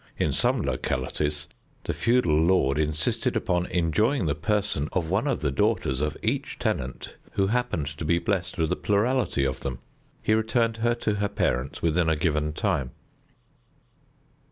In some localities the feudal lord insisted upon enjoying the person of one of the daughters of each tenant who happened to be blessed with a plurality of them. He returned her to her parents within a given time.